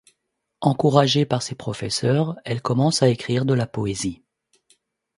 Encouragée par ses professeurs, elle commence à écrire de la poésie.